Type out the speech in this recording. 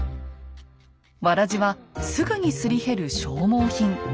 わらじはすぐにすり減る消耗品。